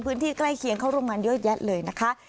พื้นที่ใกล้เคียงเข้าร่วมมันเยอะแยะเลยนะคะ